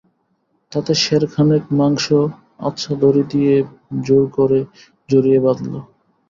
তাতে সেরখানেক মাংস আচ্ছা দড়ি দিয়ে জোর করে জড়িয়ে বাঁধলে।